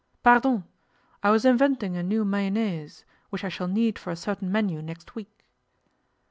'Pardon! I was inventing a new mayonnaise, which I shall need for a certain menu next week.